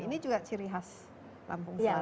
ini juga ciri khas lampung selatan